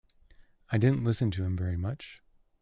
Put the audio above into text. I didn’t listen to him very much.